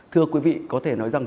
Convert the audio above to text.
thưa quý vị có thể nói rằng